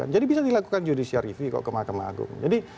jadi bisa dilakukan judisiar review kok ke mahkamah agung